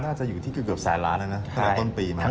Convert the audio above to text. น่าจะอยู่ที่เกือบแสนล้านแล้วนะตั้งแต่ต้นปีมา